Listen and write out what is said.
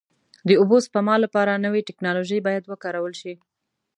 د اوبو سپما لپاره نوې ټکنالوژۍ باید وکارول شي.